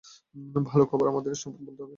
ভালো খবর, আমাদের স্টেফানকে বলতে হবে।